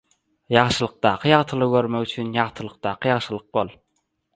Ýagşylykdaky ýagtylygy görmek üçin ýagtylykdaky ýagşylyk bol.